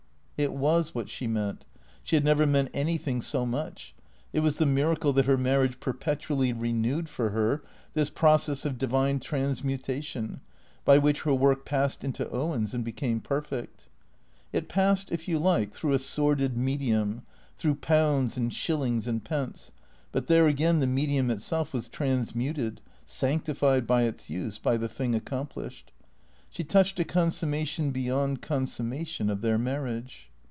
It was what she meant. She had never meant anything so much. It was the miracle that her marriage perpetually re newed for her, this process of divine transmutation, by which her work passed into Owen's and became perfect. It passed, if you like, through a sordid medium, through pounds and shillings and pence, but there again, the medium itself was transmuted, sanctified by its use, by the thing accomplished. She touched a consummation beyond consummation of their marriage.